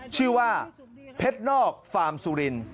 ชื่อว่าเพชรนอกฟาร์มสุริน